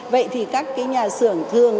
vậy thì các cái nhà sưởng thường